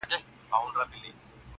پر وړو لویو خبرو نه جوړېږي!!